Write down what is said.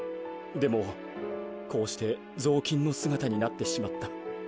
でもこうしてぞうきんのすがたになってしまった。